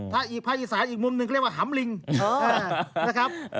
ภายศาสตร์อีกมุมหนึ่งเรียกว่าหำลิงนะครับ